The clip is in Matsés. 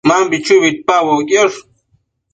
Mambi chui uidpaboc quiosh